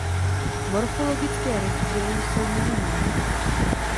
Morfologické rozdíly jsou minimální.